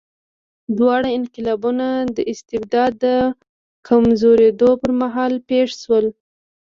دواړه انقلابونه د استبداد د کمزورېدو پر مهال پېښ شول.